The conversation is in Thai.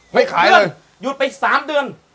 ไม่ขายเลยหยุดไป๓เดือน